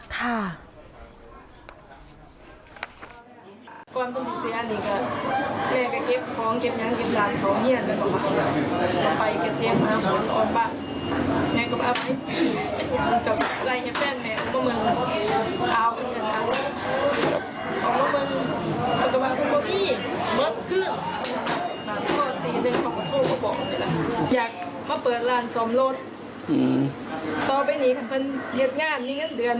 อยากมาเปิดร้านสอมรถต่อไปหนีกับคนเหยียดงานนี้ก็เดือน